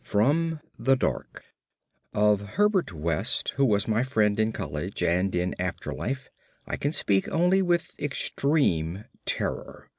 From the Dark Of Herbert West, who was my friend in college and in after life, I can speak only with extreme terror.